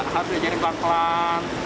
harus diajari pelan pelan